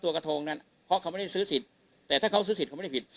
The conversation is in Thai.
กระทงนั้นเพราะเขาไม่ได้ซื้อสิทธิ์แต่ถ้าเขาซื้อสิทธิ์ไม่ได้ผิด